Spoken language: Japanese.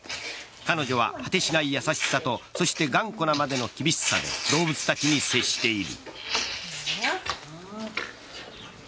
彼女は果てしない優しさとそして、頑固なまでの厳しさで動物たちに接している。